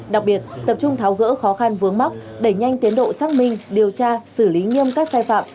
đặc biệt tập trung tháo gỡ khó khăn vướng mắc đẩy nhanh tiến độ xác minh điều tra xử lý nghiêm các sai phạm